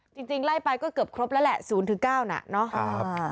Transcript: จริงจริงไล่ไปก็เกือบครบแล้วแหละศูนย์ถึงเก้าหน่ะน่ะครับ